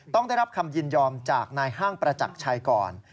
ต้องได้รับคำยินยอมจากนายห้างประจักรชัยก่อน